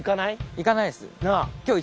行かないです。